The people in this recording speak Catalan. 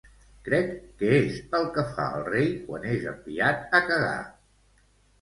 Crec que és el que fa el Rei quan és enviat a cagar.